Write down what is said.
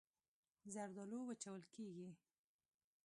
زردالو وچول کېږي.